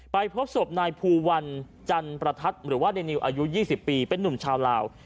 ไปพบศพนายภูวัลจันประทัดหรือว่าในอายุยี่สิบปีเป็นนุ่มชาวลาว